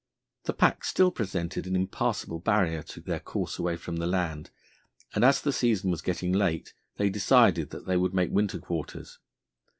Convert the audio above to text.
The pack still presented an impassable barrier to their course away from the land, and as the season was getting late they decided that they would make winter quarters.